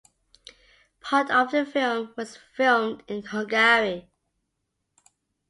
Part of the film was filmed in Hungary.